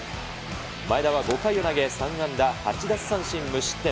前田は５回を投げ、３安打８奪三振無失点。